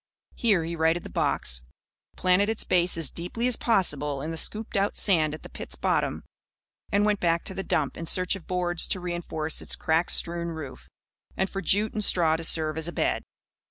Here he righted the box, planted its base as deeply as possible in the scooped out sand at the pit's bottom and went back to the dump in search of boards to reinforce its crack strewn roof, and for jute and straw to serve as a bed.